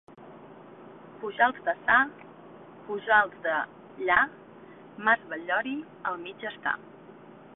Pujals de ça, Pujals de lla, Mas Batllori al mig està.